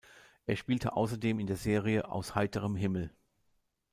Er spielte außerdem in der Serie "Aus heiterem Himmel".